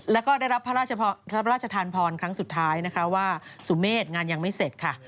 แล้วก็ได้รับพระราชทานพรครั้งสุดท้ายนะคะว่าสุเมษงานยังไม่เสร็จค่ะ